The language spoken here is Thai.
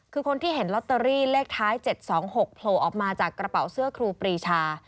คือคนที่เห็นลอตเตอรี่เลขท้าย๗๒๖โผล่ออกมาจากกระเป๋าเสื้อครูปรีชา